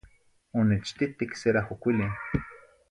Onechtitic cerahocuilin